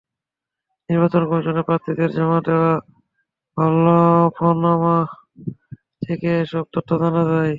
নির্বাচন কমিশনে প্রার্থীদের জমা দেওয়া হলফনামা থেকে এসব তথ্য জানা যায়।